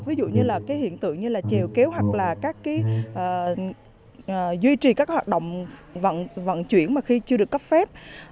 ví dụ như là cái hiện tượng như là trèo kéo hoặc là các cái duy trì các hoạt động vận chuyển mà khi chưa được cấp phép